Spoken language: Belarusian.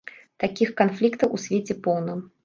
Такіх канфліктаў у свеце поўна!